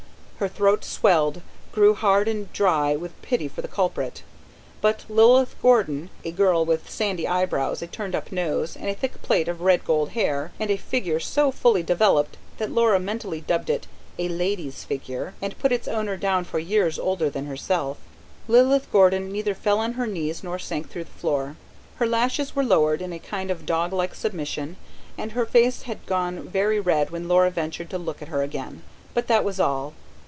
Her throat swelled, grew hard and dry with pity for the culprit. But Lilith Gordon a girl with sandy eyebrows, a turned up nose, a thick plait of red gold hair, and a figure so fully developed that Laura mentally dubbed it a "lady's figure", and put its owner down for years older than herself Lilith Gordon neither fell on her knees nor sank through the floor. Her lashes were lowered, in a kind of dog like submission, and her face had gone very red when Laura ventured to look at her again; but that was all.